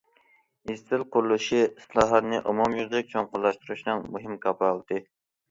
ئىستىل قۇرۇلۇشى ئىسلاھاتنى ئومۇميۈزلۈك چوڭقۇرلاشتۇرۇشنىڭ مۇھىم كاپالىتى.